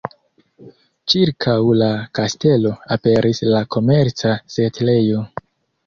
Ĉirkaŭ la kastelo aperis la komerca setlejo.